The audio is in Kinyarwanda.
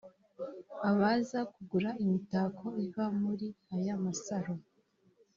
Abaza kugura imitako iva muri aya masaro